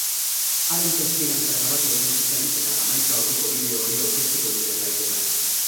Haren testigantza grabatu egin zuten eta hamaika orduko bideo hori aurkeztuko dute epaiketan.